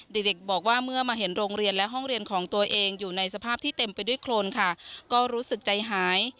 เด็กเด็กบอกว่าเมื่อมาเห็นโรงเรียนและห้องเรียนของตัวเองอยู่ในสภาพที่เต็มไปด้วยโครนค่ะก็รู้สึกใจหาย